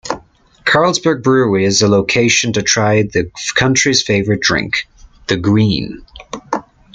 Carlsberg Brewery is a location to try the country's favorite drink, the Green.